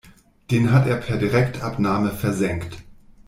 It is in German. Den hat er per Direktabnahme versenkt.